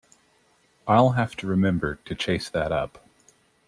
I’ll have to remember to chase that up.